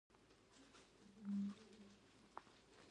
هغې د ژور سرود په اړه خوږه موسکا هم وکړه.